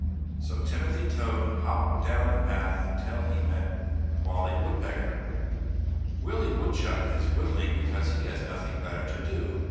So Timothy Toad hopped down the path until he met Wallie Woodpecker. "Willie Woodchuck is whittling because he has nothing better to do!"